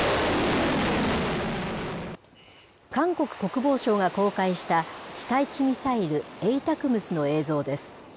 韓国国防省が公開した、地対地ミサイルＡＴＡＣＭＳの映像です。